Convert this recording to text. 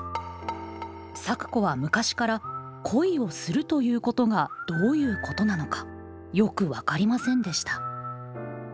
咲子は昔から恋をするということがどういうことなのかよく分かりませんでした。